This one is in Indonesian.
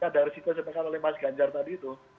ada risiko yang disampaikan oleh mas ganjar tadi itu